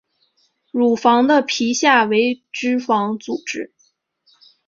乳房的皮下为脂肪组织。